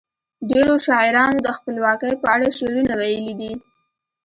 ډیرو شاعرانو د خپلواکۍ په اړه شعرونه ویلي دي.